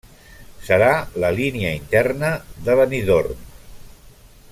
Serà la línia interna de Benidorm.